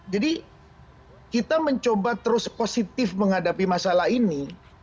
jadi kita mencoba terus positif menghadapi masalah ini